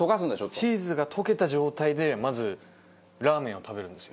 チーズが溶けた状態でまずラーメンを食べるんですよ。